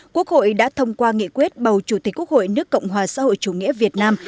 quốc hội đã thông qua nghị quyết bầu chủ tịch quốc hội nước cộng hòa xã hội chủ nghĩa việt nam